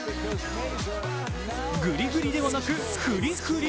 グリグリではなくフリフリ。